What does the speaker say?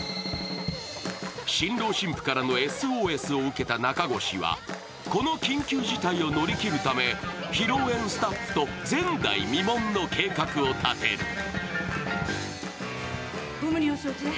新郎新婦からのＳＯＳを受けた中越はこの緊急事態を乗り切るため披露宴スタッフと前代未聞の計画を立てる。